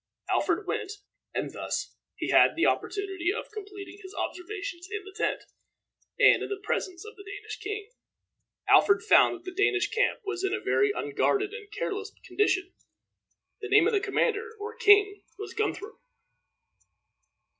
Alfred went, and thus he had the opportunity of completing his observations in the tent, and in the presence of the Danish king. Alfred found that the Danish camp was in a very unguarded and careless condition. The name of the commander, or king, was Guthrum.